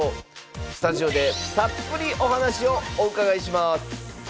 スタジオでたっぷりお話をお伺いします